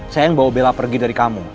saya yang bawa bela pergi dari kamu